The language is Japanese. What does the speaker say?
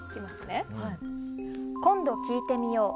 今度、聴いてみよう。